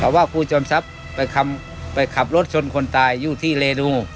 ว่าครูจอมทรัพย์ไปขับรถชนคนตายอยู่ที่เรดู